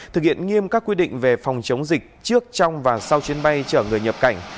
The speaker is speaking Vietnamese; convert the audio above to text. thực hiện nghiêm các quy định về phòng chống dịch trước trong và sau chuyến bay chở người nhập cảnh